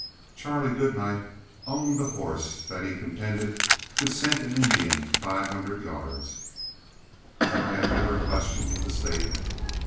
Charlie Goodnight owned a horse that he contended could scent an Indian five hundred yards, and I have never questioned the statement.